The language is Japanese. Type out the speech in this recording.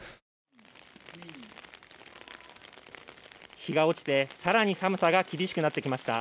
日が落ちて、更に寒さ厳しくなってきました。